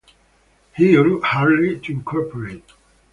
He urged Harley to incorporate.